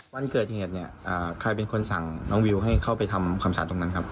วันเกิดเหตุเนี่ยใครเป็นคนสั่งน้องวิวให้เข้าไปทำความสะอาดตรงนั้นครับ